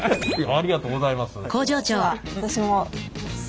ありがとうございます。